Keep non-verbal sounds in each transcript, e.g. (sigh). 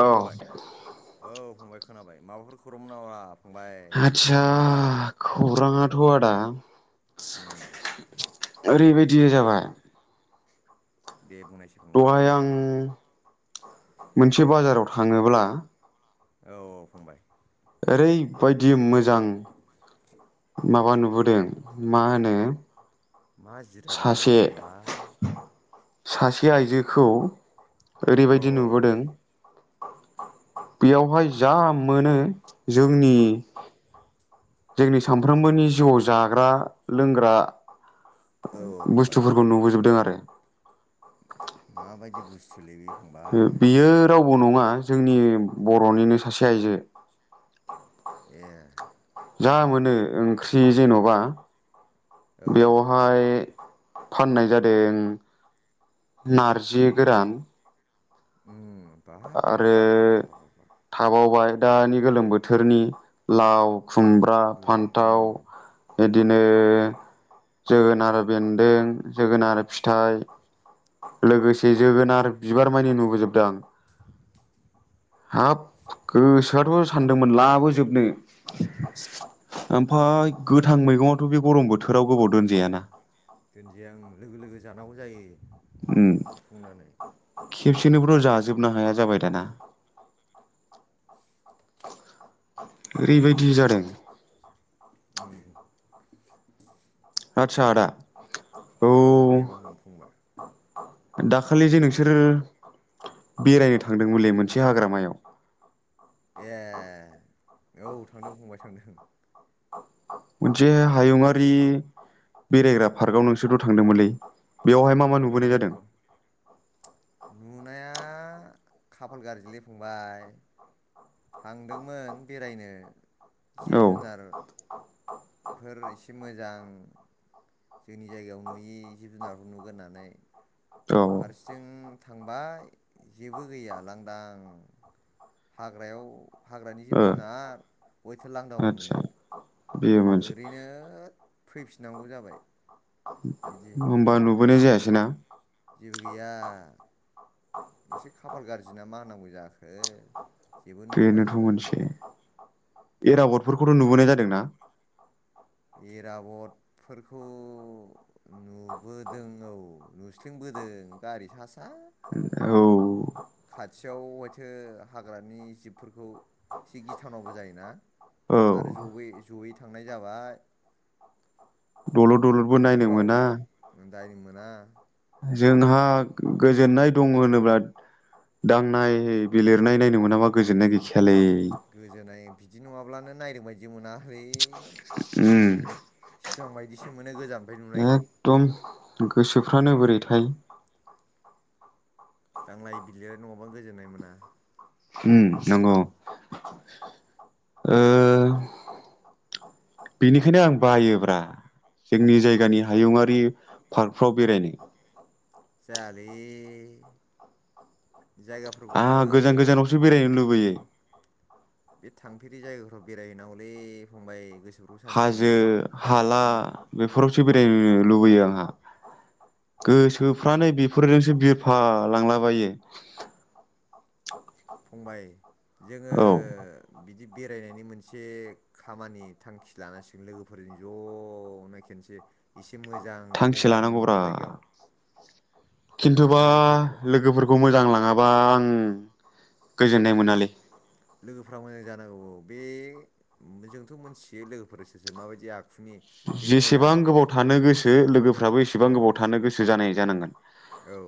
औ फंबाय औ फंबाय खोनाबाय माबाफोर खौरांमोन नामा? फंबाय आदसा गोसोखांदों आंखौ खौरांआथ आदा उम ओरैबायदि जाबाय दे बुंनायसाय दहाय आं मोनसे बाजाराव थाङोब्ला औ औ फंबाय ओरैबायदि मोजां मोजां माबा नुबोदों मा होनो माजिरादलै बेबा सासे फंबाय सासे आइजोखौ औ ओरैबायदि नुबोदों बेयावहाय जा मोनो जोंनि जोंनि सानफ्रोमबोनि जिउआव जाग्रा लोंग्रा औ फंबाय बुस्थुफोरखौ नुबोजोबदों आरो माबायदि बुस्थुलै बे उम फंबाय बियो रावबो नङा जोंनि बर'निनो सासे आइजो ए जा मोनो ओंख्रि जेन'बा औ बेवहाय फाननाय जादों नारजि गोरान उम बाब आरो ब्बाब ब्बाब थाबावबाय दानि गोलोम बोथोरनि लाव खुमब्रा ल' उम फान्थाव बिदिनो जोगोनार बेन्दों जोगोनार फिथाइ लोगोसे जोगोनार बिबार मानि नुबोजोबदों आं हाब गोसोआथ' सानदोंमोन लाबोजोबनो ओमफाय गोथां मैगङाथ' बे गरम बोथोराव गोबाव दोनजायाना दोनजाया ओं लोगो लोगो जानांगौ जायो। संनानै खेबसेनोबोथ' जाजोबनो हाया जाबाय दाना ओरैबायदि जादों उम आदसा आदा औ दे बुं फंबाय दाखालि जे नोंसोरो बेरायनो थांदोंमोनलै मोनसे हाग्रामायाव ए औ थांदों फंबाय थांदों मोनसे हायुङारि बेरायग्रा पार्कआव नोंसोरथ' थांदोंमोनलै बेवहाय मा मा नुबोनाय थांदोंमोन जादों? फंबाय नुनाया खाफाल गाज्रिलै फंबाय थांदोंमोन बेरायनो औ जिब जुनार फोर एसे मोजां जोंनि जायगायाव नुयि जिब जुनारफोर नुगोन होन्नानै औ फारसेथिं थांबाय जेबो गैया लांदां हाग्रायाव हाग्रानि जिब ओ जुनार बयहाथो लांदां आव आदसा नुनो। बेयो मोनसे ओरैनो फैफिननांगौ जाबाय। बिदि होमबा नुबोनाय जायासै ना? जेबो गैया एसे खाफाल गाज्रि ना मा होनांगौ जाखो जेबो बेनोथ' नुबोआसै मोनसे ऐराबदफोरखौथ' नुबोनाय जादों ना? ऐराबदफोरखौ नुबोदों औ नुस्लेंबोदों गारि सा सा‌ औ खाथियाव हायथो हाग्रानि जिबफोरखौ एसे गिथावनाबो जायोना औ आरो जयै जयै थांनाय जाबाय दलद दलदबो नायनो गोबाव मोना दायनो मोना जोंहा गोजोननाय दं होनोब्ला दांनाय बिलिरनाय नायनो मोनाबा गोजोननाय गैखायालै गोजोननाय बिदि नङाब्लानो नायदों बाय बिदि मोना हैै उम सिमां बायदिसो मोनो गोजाननिफ्राय नुनायखौ एकदम गोसोफ्रानो बोरै थाय दांलाय बिलिराय नङाबा गोजोननाय मोना उम नंगौ ओ बेनिखायनो आं बायोब्रा जोंनि जायगानि हायुङारि पार्कफ्राव बेरायनो जायालै जायगा आंहा गोजान गोजानावसो बेरायनो लुबैयो बे थांफेरि जायगाफ्राव बेरायहैनांगौलै फंबाय गोसो हाजो हाला बेफोरावसो बेरायनो लुबैयो आंहा गोसोफ्रानो बेफोरजोंसो बिरफालांलाबायो फंबाय जोङो औ बिदि बेरायनायनि मोनसे खामानि थांखि लानांसिगोन लोगोफोरजों ज' नो खेनसे एसे मोजां थांखि गोजान लानांगौब्रा जायगायाव खिन्थुबा लोगोफोरखौ लोगोफोर खौ मोजां लाङाबा आं गोजोननाय मोनालै लोगोफ्रा मोजां जानांगौ बे जोंथ' मोनथियो लोगोफोर सोर सोरो माबायदि आखुनि बे मोजां जेसेबां गोबाव थानो गोसो लोगोफ्राबो औ एसेबां गोबाव थानो गोसो जानाय जानांगोन औ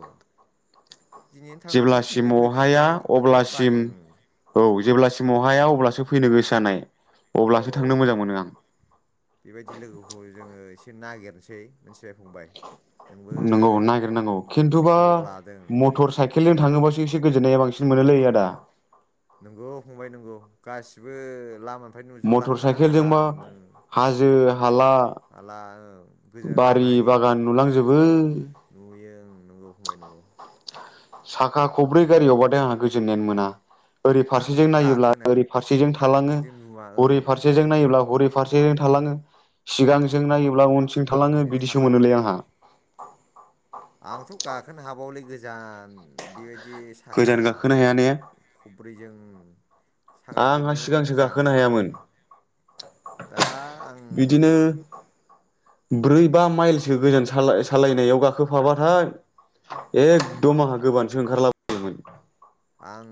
दिनैनो थांनानै जेब्लासिम दिनैनो अहाया फैफिननाय बाथाय अब्लासिम बायो औ जेब्लासिम अहाया अब्लासो फैनो गोसो जानाय औ अब्लासो थांनो मोजां मोनो आं खौ जोङो एसे नागिरनोसै मोनथिबाय फंबाय नोंबो नंगौ नागिरनांगौ खिन्थुबा खबर लादों मटर साइकेल खेलजों थाङोबासो एसे गोजोननाया बांसिन मोनोलै आदा नंगौ फंबाय नंगौ गासिबो लामानिफ्राय मटर नुजोबलाङो ना साइकेलजोंबा आराम नो हाजो हाला हाला औ बारि बागान नुलांजोबो नुयो ओं नंगौ फंबाय नंगौ साखा खब्रै गारियावबाथाय आंहा गोजोननायानो मोना ओरै फारसेजों आंथ' नायोब्ला गाखोना ओरै फारसेजों थालाङो बिदि नुवा औ हरै फारसे सेजों नायोब्ला हरै फारसेजों थालाङो सिगांजों नायोब्ला उनथिं थालाङो बिदिनो बिदिसो थालाङो मोनोलै आंहा आंथ' गाखोनो हाबावालै गोजान बेबायदि साखा गोजान गाखोनो हाया ने खब्रैजों साखा आंहा खबनैयावनो सिगांसो मोजां गाखोनो हायामोन दा बिदिनो आं ब्रै बा माइलसो गोजान सालाय सालायनायाव गाखोफाबाथाय एखदम आंहा गोबानोसो ओंखारलाबोयोमोन आं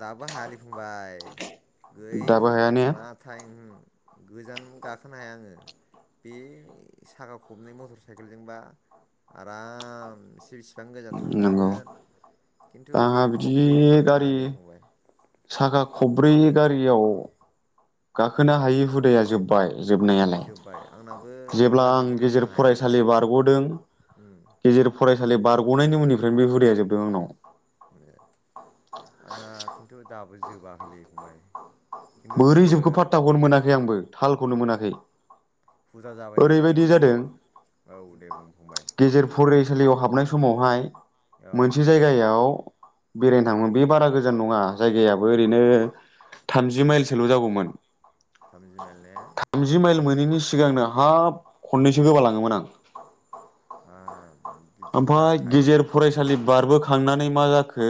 दाबो हायालै फंबाय गै दाबो हाया ने मा थाइम गोजान गाखोनो हाया आङो बे साखा खबनै मटर साइकेलजोंबा आराम से बेसेबां गोजान थांनो नंगौ हागोन खिन्थु बे आंहा बिदि खब्रैजोंबा गारि हायालै फंबाय साखा खब्रै गारियाव गाखोनो हायि हुदाया जोब्बाय जोबनायालाय जोब्बाय आंनाबो जेब्ला माला आं जोबगोन गेजेर बुंनो हाया फरायसालि बारग'दों उम गेजेर फरायसालि बारग'नायनि उननिफ्रायनो बे हुदाया जोबदों आंनाव। ए आंना खिन्थु दाबो जोबाखैलै फंबाय खिन्थु बोरै जोङो जोबखौ फाथथाखौनो मोनाखै आंबो थालखौनो मोनाखै। फुजा जाबायना ओरैबायदि नोंनाथ' जादों औ दे बुं फंबाय गेजेर फरायसालियाव हाबनाय समावहाय औ मोनसे जायगायाव बेरायनो थाङोमोन बे बारा गोजान नङा जायगायाबो ओरैनो थामजि माइलसोल' जागौमोन थामजि माइल ने जि माइल मोनैनि सिगांनो हाब खननैसो गोबा लाङोमोन आं (unintelligible) ओमफ्राय जाखायो गेजेर फरायसालि गाखोन बारबोखा थांनानै मा जाखो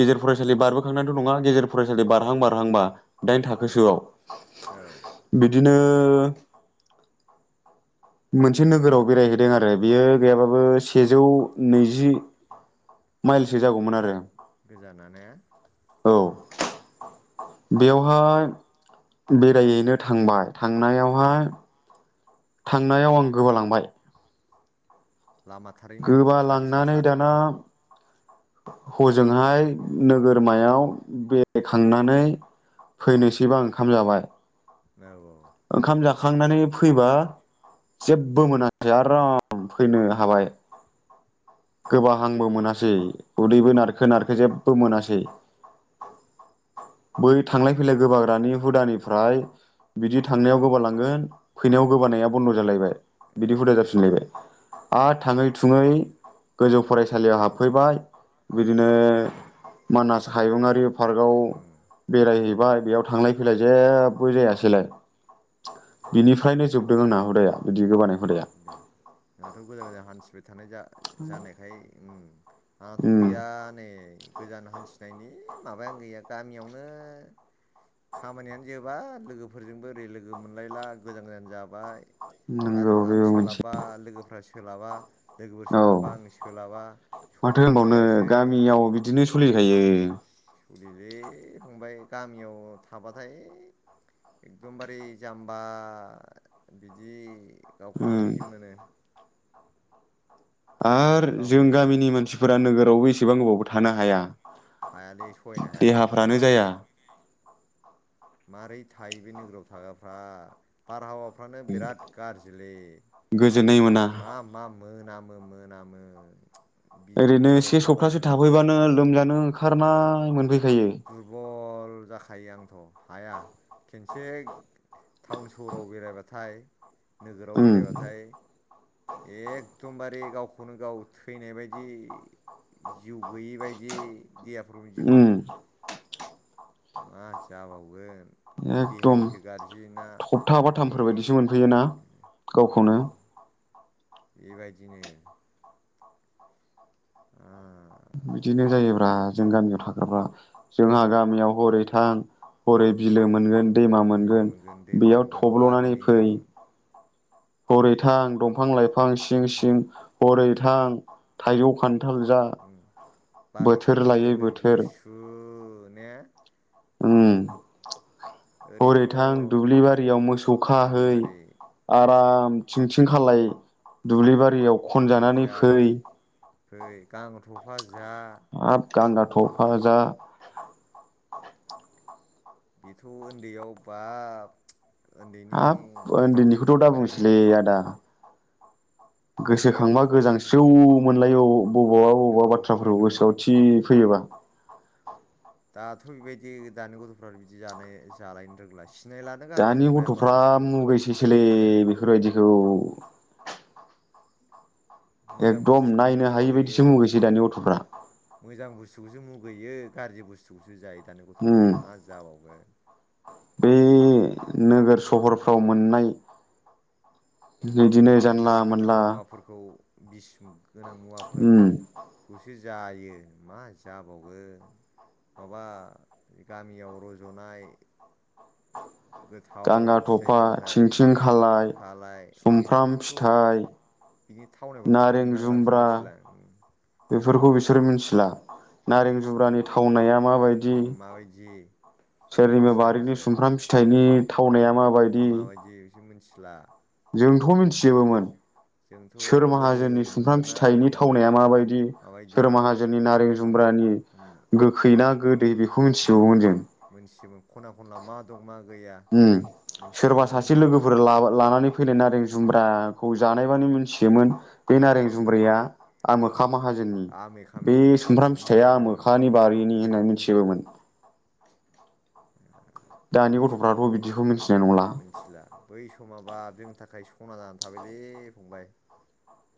गेजेर फरायसालि बारबोखांनैथ' नङा गेजेर फरायसालि बारहां बारहांबा दाइन उम थाखोसोआव औ बिदिनो मोनसे नोगोराव बेरायहैदों आरो बियो गैयाबाबो सेजौ नैजि माइलसो जागौमोन आरो गोजाना ने औ बेयावहाय बेराहैनो थांबाय थांनायावहाय थांनायाव आं गोबालांबाय लामा थारैनो गारि गोबालांनानै सा-सा दाना हजोंहाय नोगोरमायाव बेरायखांनानै फैनोसैबा ओंखाम जाबाय औ‌ औ ओंखाम जाखांनानै फैबा जेबो मोनासै आराम फैनो हाबाय। गोबाहांबो मोनासै उदैबो नारखो-नारखो जेबो उम मोनासै। बै थांलाइ फैलाय गोबाग्रानि हुदानिफ्राय बिदि थांनायाव गोबालांगोन फैनायाव गोबानाया बन्द' जालायबाय। ए बिदि हुदा जाफिनलायबाय आरो थाङै-थुङै गोजौ फरायसालियाव हाबफैबाय बिदिनो मानास हायुङारि पार्कआव उम बेरायहैबाय बेयाव थांलाय फैलाय जेबो जायासैलाय। बिनिफ्रायनो जोबदों आंना हुदाया बिदि गोबानाय हुदाया। दे नोंहाथ' गोजान-गोजान हान्थिबाय थानाय जा-जानायखाय ओम आंनाथ' उम गैया। दा नै गोजान हान्थिनायनि माबायानो गैया गामियावनो खामानियानो जोबा लोगोफोरजोंबो ओरै लोगो मोनलायला गोजान-गोजान जाबाय। (inaudible) आं बेबो मोनसे सोलाबबा लोगोफ्रा सोलाबा लोगोफोर औ सोलाबबा आं सोलाबा। माथो समानो होनबावनो मिलायासै। गामियाव बिदिनो सोलिखायो। औलै फंबाय गामियाव थाबाथाय एकदमबारे जाम्बा बिदि गावखौनो ओं बिदि मोनो। मा आरो जों होनबावनो गामिनि मानसिफोरा नोगोरावबो एसेबां गोबावबो थानो हाया। हायालै सहायनो हाया देहाफ्रानो नोगोराव। जाया मारै थायो बे नोगोराव थाग्राफ्रा बारहावाफ्रानो बिराद गाज्रिलै। गोजोननाय मोनो। मा-मा मोनामो-मोनामो। ओरैनो से सप्तासे थाफैबानो लोमजानो ओंखारनाय मोनफैखायो। दुरबल जाखायो आंथ' हाया खेनसे टाउन सहराव बेरायबाथाय नोगोराव उम बेरायबाथाय एखदमबारे गावखौनो गाव थैनाय बादि जिउ गोैयि बायदि देहाफ्राव बिदि उम मोनो। मा जाबावगोन। एकदम देहानिसो गाज्रि ना थबथा बे बाथामफोरबायदिसो मोनफैयोना। औ गावखौनो। बेबायदिनो। ओ बिदिनो जायोब्ला जों गामियाव थाग्राफ्रा। जोंहा गामियाव हरै थां हरै बिलो मोनगोन। दैमा बिलो मोनगोन दैमा बेयाव मोनगोन थब्ल'नानै बारनि फै। उम हरै थां दंफां लायफां सिं-सिं हेफाजाब हरै थां थाइजौ खान्थाल जा। बार बोथोर खोलो लायै खोलो बोथोर गुसु नो। ओम ओरैथ' हरैथां दुब्लि बारियाव मोसौ खाहै। दुब्लिबारि आराम थिंथिं खालाय दुब्लि बारियाव ओरै खनजानानै जा फै। फै गांथ'फा जा हाब गांगा आ थफा जा बेथ' उन्दैयाव बाब उन्दैनि हाब खोथाखौसो उन्दैनिखौथ' दा गोसोखांहोबायलै बुंसैलै नोंङो। आदा गोसोखांबा गोजांस्रिउ मोनलायो बबावबा बबावबा नंगौ फंबाय बाथ्राफोरखौ नंगौ गोसोआव नंगौ थि फैयोबा। दाथ बेबायदि दानि गथ'फ्रा बिदि जानो जालायनो रोंला। सिनायलानो गांगा दानि थफाया मा बुस्थु थिनदिखाला बेफोरबादिखौ मोजां एकदम बुस्थुखौनो नायनो हायि मुगैयो बायदिसो मुगैसै ओम दानि गथ'फ्रा मोजां बुस्थुखौसो मुगैयो गाज्रि बुस्थुखौसो जायो दानि गथ'फ्रा उम मा जाबावगोन। बे नोगोर सहरफ्राव मोननाय बिदिनो बिस जानला गोनां मोनला मुवाफोरखौ बिस गोनां मुवाफोर उम खौसो जायो मा जाबावगोन। माबा गामियाव रज'नाय गोथाव गांगा फिथाइ थफा सामथाइ थिंथिं खालाय खालाय सुमफ्राम बेफोरखौथ' फिथाइ बिनि थावनायखौथ' नारें मोनदांला बिसोर जुमब्रा मिथिला। बेफोरखौ बिसोर मिथिला नारें जुमब्रानि थावनाया माबाय माबायदि। बेखौ मिथिया बारिनि बिसोर सुमफ्राम फिथाइनि थावनाया माबायदि बिसोर मिथिला जोंथ' मोनथि मानसिया जोबोमोन। जोंथ' सोर गोदो माहाजोननि सुमफ्राम मोनबोनाय फिथाइनि उम थावनाया माबायदि माबायदि सोर माहाजोननि नारें जोंनाव जुमब्रानि गोखैना गोदै बे ओ मोनथियोमोन खना खनला मा दं मा गैया उम सोरबा मोनथिजोबोमोन सासे जों लोगोफोर लाबा-लानानै गोदो नारें जुम्ब्राखौ जानायबानो मिथियोमोन बे नारें जुम्ब्राया आमोखा माहाजोननि आमि बे खामनि ओं सुमफ्राम हमनो फिथाइया हाजोबोमोन आमोखानि बारिनि होननानै मिथिजोबोमोन। दानि बै गथ'फ्राथ' समाथ' बिदिखौ मिथिनाय नंला मोनथिला। बै समाबा जोंनि थाखाय सना जानानै थाबायलै फंबाय।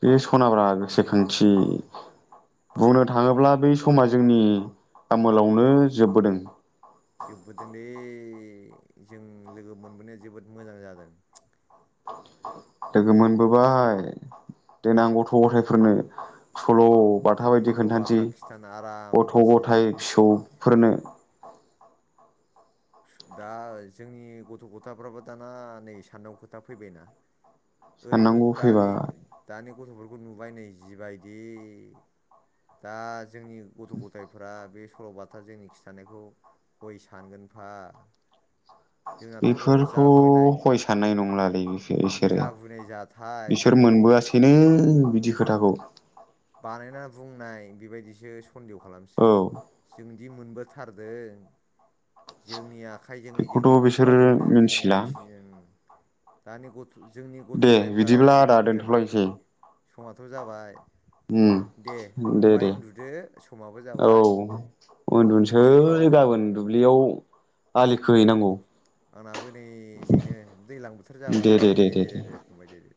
बे सनाब्रा गोसोखांथि। बुंनो थाङोब्ला बै समा जोंनि आमोलावनो जोबबोदों। जोबबोदोंलै जों लोगो मोनबोनाया जोबोद मोजां जादों। लोगो मोनबोबाय देनां गथ' गथायफोरनो सल' बाथा बायदि खोन्थानोसै सल'बाथा खिथानो आराम गथ' ग'थाइ हारसिंजों फिसौफोरनो। दा जोंनि गथ' गथाफ्राबो दाना नै सान्नांगौ खोथा फैबायना ओरैनो साननांगौ फैबा दानि दानि गथ'फोरखौ नुबाय नै जिबायदि दा जोंनि गथ' गथायफ्रा बे सल'बाथा जोंनि खिन्थानायखौ हय सानगोन फा जोंनाथ' र' बेफोरखौ जागुइनाय हय साननाय नंलालै बिसोरो जागुइनाय जा थाय बिसोर बेखौ मोनबोआसैनो बिदि ओम खोथाखौ बानायना बुंनाय बेबायदिसो सन्देह औ खालामसिगोन। जोंदि मोनबोथारदों। जोंनि आखाइजोंनो बेखौथ' जोंनि बिसोरो खुगाजोंनो जोंनि मिथिला आइथिंजों दानि गथ' जोंनि गथ' दे गथायफ्रा बिदिब्ला बेखौ आदा फोथायला दोनथ'लायसै समाथ' जाबाय। दे बुं दे फंबाय दे उन्दुदो समाबो औ जाबाय उनफ्राव उन्दुनोसै गाबोन उम दुब्लियाव आलि खोहैनांगौ। आंनाबो नै बेनो दैज्लां बोथोर जाबाय दे दे दे दे फंबाय दे दे।